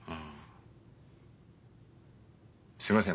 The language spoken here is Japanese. すいません